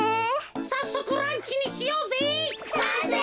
さっそくランチにしようぜ！